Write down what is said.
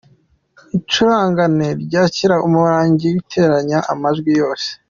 Incuragane : Ryakira umurangi ,riteranya amajwi yose.